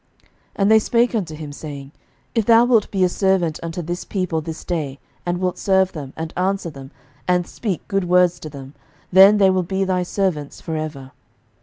11:012:007 And they spake unto him, saying, If thou wilt be a servant unto this people this day, and wilt serve them, and answer them, and speak good words to them, then they will be thy servants for ever.